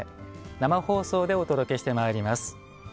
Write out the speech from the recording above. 生放送でお届けしてまいります。